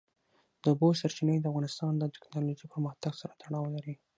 د اوبو سرچینې د افغانستان د تکنالوژۍ پرمختګ سره تړاو لري.